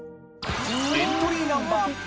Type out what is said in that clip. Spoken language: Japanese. エントリーナンバー４